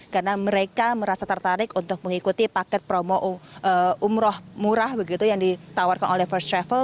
karena mereka merasa tertarik untuk mengikuti paket promo umroh murah yang ditawarkan oleh first travel